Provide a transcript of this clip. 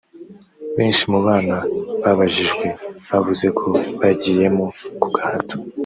benshi mu bana babajijwe bavuze ko bagiyemo ku gahato